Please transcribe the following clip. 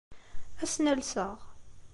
Ad asen-alseɣ.